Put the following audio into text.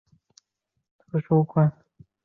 共产党是塞尔维亚的一个共产主义政党。